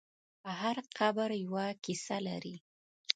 هر قبر یوه کیسه لري.